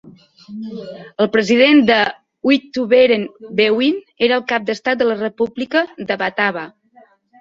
El president de Uitvoerend Bewind era el cap d'estat de la República de Batava.